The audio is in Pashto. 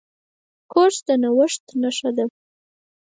کورس د نوښت نښه ده.